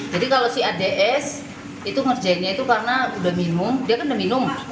jadi kalau si ads itu ngerjainnya itu karena udah minum dia kan udah minum